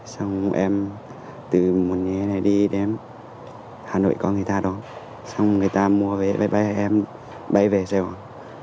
xong em từ một ngày này đi đến hà nội có người ta đó xong người ta mua về bay bay em bay về xe hoa